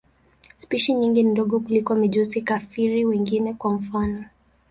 Spishi nyingi ni ndogo kuliko mijusi-kafiri wengine, kwa mfano.